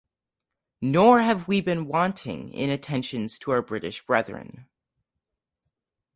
Nor have We been wanting in attentions to our British brethren.